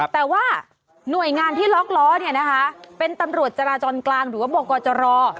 แต่ว่าหน่วยงานที่ล็อกล้อเนี่ยนะคะเป็นตำรวจจราจรกลางหรือว่าบกจร